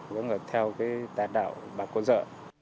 dưỡng ở theo cái tà đạo bà cô dợ